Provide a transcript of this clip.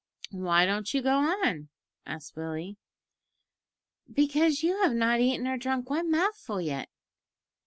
"Why don't you go on?" asked Willie. "Because you have not eaten or drunk one mouthful yet."